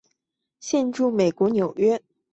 现住美国纽约。